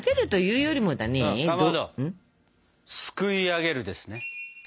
すくいあげるですね。